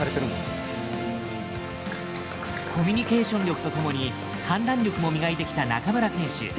コミュニケーション力とともに判断力も磨いてきた中村選手。